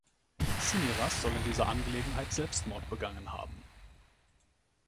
Cinyras soll in dieser Angelegenheit Selbstmord begangen haben.